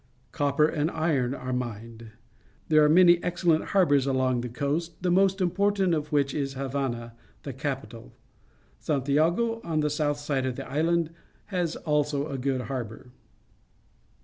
Copper and iron are mined. There are many excellent harbours all along the coast, the most important of which is Havana, the capital. Santiago, on the south si4e of the island, has also a good harbour.